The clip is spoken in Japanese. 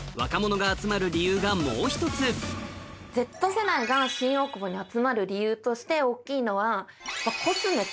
Ｚ世代が新大久保に集まる理由として大っきいのは。